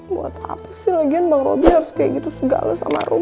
buat apa sih lagian bang robi harus kayak gitu segala sama rum